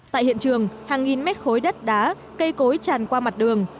tại hiện trường hàng nghìn mét khối đất đá cây cối tràn qua mặt đường